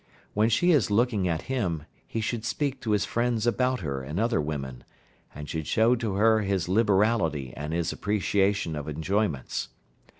When she is looking at him he should speak to his friends about her and other women, and should show to her his liberality and his appreciation of enjoyments.